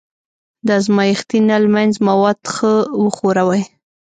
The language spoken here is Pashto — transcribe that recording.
د ازمایښتي نل منځ مواد ښه وښوروئ.